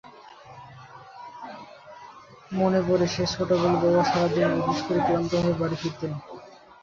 মনে পড়ে, সেই ছোটবেলায় বাবা সারা দিন অফিস করে ক্লান্ত হয়ে বাড়ি ফিরতেন।